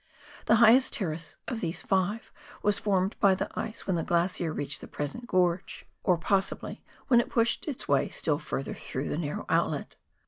The highest terrace of these five was foi med by the ice when the glacier reached the present gorge, or possibly when it pushed its way still further through the narrow outlet.